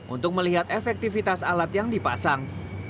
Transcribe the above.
untuk melihat efektivitas alat yang dipasang